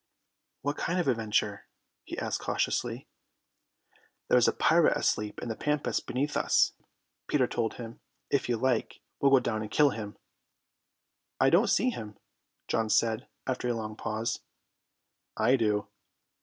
"What kind of adventure?" he asked cautiously. "There's a pirate asleep in the pampas just beneath us," Peter told him. "If you like, we'll go down and kill him." "I don't see him," John said after a long pause. "I do."